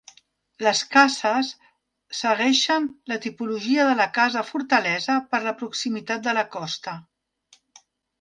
Les cases segueixen la tipologia de la casa fortalesa, per la proximitat de la costa.